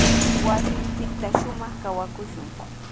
Wasinchiktraw shumaq kawakushun.